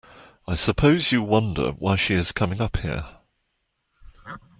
I suppose you wonder why she is coming up here.